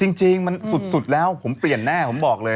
อือจริงจริงสุดขึ้นแล้วผมเปลี่ยนแน่นะ